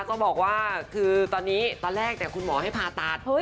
ต้องบอกว่าคือตอนนี้ตอนแรกคุณหมอให้ผ่าตัด